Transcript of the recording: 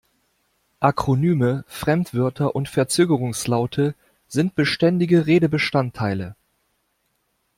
Akronyme, Fremdwörter und Verzögerungslaute sind beständige Redebestandteile.